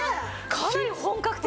かなり本格的！